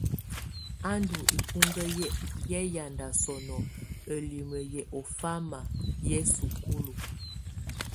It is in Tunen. Ú ndù ibuŋkǝ yɛ ƴaŋda sɔnɔ ǝlimǝ yɛ ɔ ɔfama yɛ sukulu.